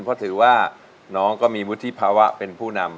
เพราะถือว่าน้องก็มีวุฒิภาวะเป็นผู้นำ